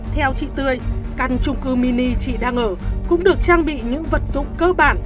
theo chị tươi căn trung cư mini chị đang ở cũng được trang bị những vật dụng cơ bản